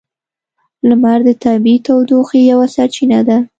لمر د طبیعی تودوخې یوه سرچینه ده.